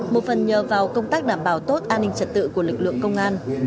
một phần nhờ vào công tác đảm bảo tốt an ninh trật tự của lực lượng công an